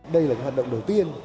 đây là hoạt động đầu tiên